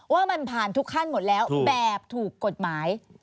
ว่ามันผ่านทุกขั้นหมดแล้วแบบถูกกฎหมาย